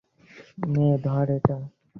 নে, ধর এটা।